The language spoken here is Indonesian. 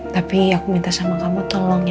tapi aku minta sama kamu tolong ya